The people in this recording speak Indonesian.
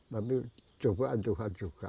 tapi cobaan tuhan juga